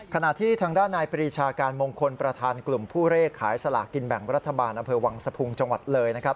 ขณะที่ทางด้านนายปรีชาการมงคลประธานกลุ่มผู้เลขขายสลากกินแบ่งรัฐบาลอำเภอวังสะพุงจังหวัดเลยนะครับ